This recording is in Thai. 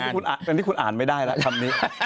อันนี้คุณอ่านไม่ได้แล้วคำนี้